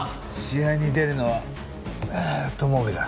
試合に出るのは友部だ。